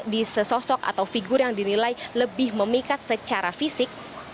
di sesosok atau figur yang dinilai lebih memikat secara fisik